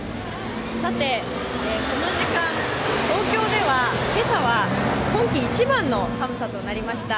さて、この時間東京では今朝は、今期一番の寒さとなりました。